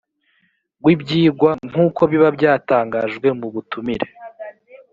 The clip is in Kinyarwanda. w ibyigwa nk uko biba byatangajwe mu butumire